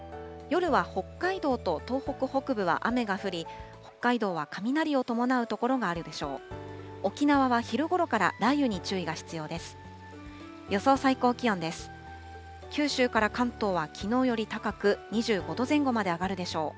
夜は北海道と東北北部は雨が降り、北海道は雷を伴う所があるでしょう。